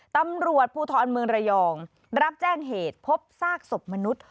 ตำรวจภูทรเมืองระยองรับแจ้งเหตุพบซากศพมนุษย์